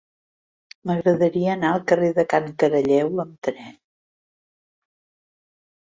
M'agradaria anar al carrer de Can Caralleu amb tren.